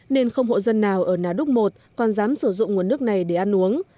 nên không hộ dân nào ở nà đúc một còn dám sử dụng nguồn nước này để ăn uống